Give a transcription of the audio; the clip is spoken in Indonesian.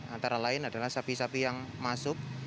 antara lain adalah sapi sapi yang masuk